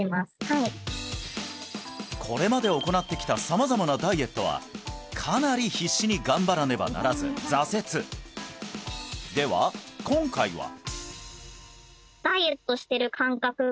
はいこれまで行ってきた様々なダイエットはかなり必死に頑張らねばならず挫折では今回は？